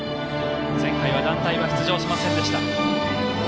前回は団体は出場しませんでした。